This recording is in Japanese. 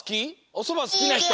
おそばすきなひと！